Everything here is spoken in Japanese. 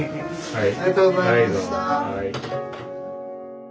はい。